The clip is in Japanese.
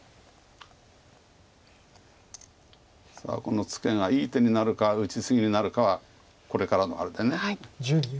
さあこのツケがいい手になるか打ち過ぎになるかはこれからのあれで。